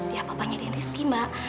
ya papanya dan rizky mbak